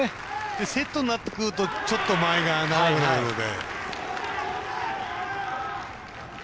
セットになってくるとちょっと間合いが長くなるので。